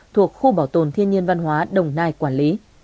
thuộc khu bảo tồn thiên nhiên văn hóa đồng nai quản lý